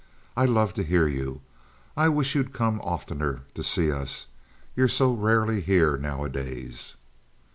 "I love to hear you. I wish you'd come oftener to see us. You're so rarely here nowadays."